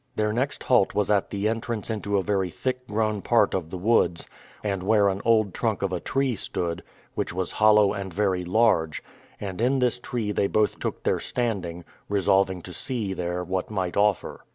Their next halt was at the entrance into a very thick grown part of the woods, and where an old trunk of a tree stood, which was hollow and very large; and in this tree they both took their standing, resolving to see there what might offer.